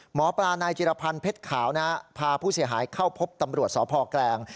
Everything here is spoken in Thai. หมอปลานายจิรพันธ์เพชรขาวนะฮะพาผู้เสียหายเข้าพบตำรวจสพแกลง